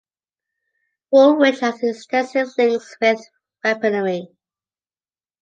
Woolwich has extensive links with weaponry.